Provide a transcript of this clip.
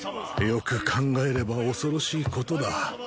よく考えれば恐ろしいことだ。